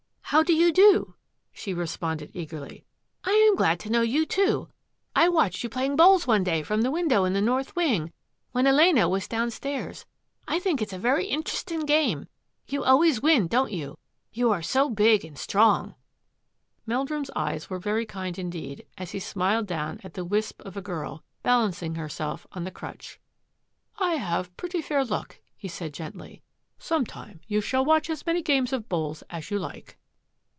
" How do you do? " she responded eagerly. " I am glad to know you, too. I watched you playing bowls one day from my S44 THAT AFFAIR AT THE MANOR window in the north wing — when Elena was down stairs. I think it is a very intr'isting game. You always win, don't you? You are so big and strong." Meldrum's eyes were very kind indeed as he smiled down at the wisp of a girl, balancing herself on the crutch. " I have pretty fair luck," he said gently. " Sometime you shall watch as many games of bowls as you like."